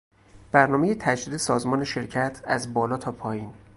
برنامهی تجدید سازمان شرکت از بالا تا پایین